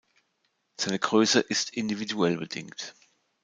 Seine Größe ist individuell bedingt.